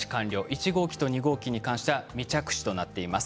１号機と２号機に対しては未着手となっています。